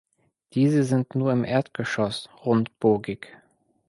Diese sind nur im Erdgeschoss rundbogig.